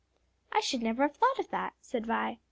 "I should never have thought of that," said Vi.